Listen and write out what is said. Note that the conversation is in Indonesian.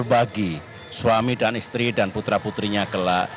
bagi suami dan istri dan putra putrinya kelak